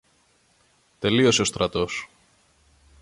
τελείωσε ο στρατός